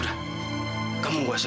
bu berati ibu